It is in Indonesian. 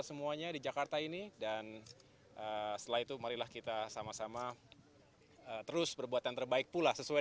semuanya di jakarta ini dan setelah itu marilah kita sama sama terus berbuat yang terbaik pula sesuai